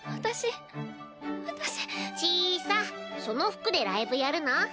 その服でライブやるの？